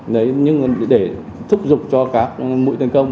đấy nhưng để thúc giục cho các mũi tấn công